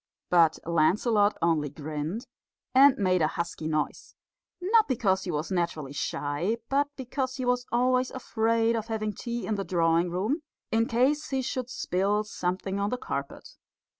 But Lancelot only grinned and made a husky noise not because he was naturally shy, but because he was always afraid of having tea in the drawing room, in case he should spill something on the carpet.